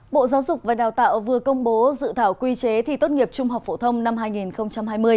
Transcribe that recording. bộ giáo dục và đào tạo vừa công bố dự thảo quy chế thi tốt nghiệp trung học phổ thông năm hai nghìn hai mươi